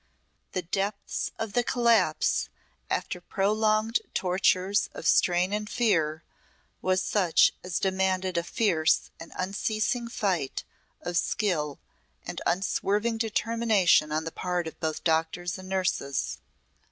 The depths of the collapse after prolonged tortures of strain and fear was such as demanded a fierce and unceasing fight of skill and unswerving determination on the part of both doctors and nurses.